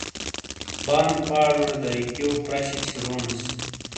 بان پاجوڑے دیکیو پرہ شی چھورونس